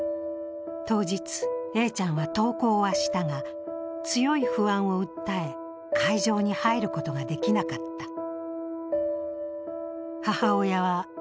当日、Ａちゃんは登校はしたが、強い不安を訴え、会場に入ることができなかった。